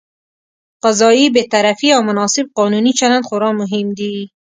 قضايي بېطرفي او مناسب قانوني چلند خورا مهم دي.